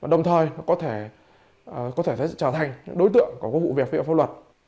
đồng thời có thể trở thành đối tượng của vụ việc viện pháp luật